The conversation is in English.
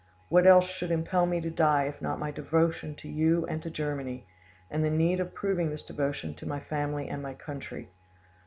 What else should impel me to die if not my devotion to you and to Germany, and the need of proving this devotion to my family and my country?